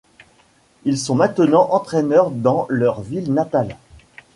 Ils sont maintenant entraîneurs dans leur ville natale.